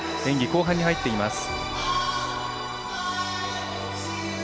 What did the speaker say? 演技後半に入っています。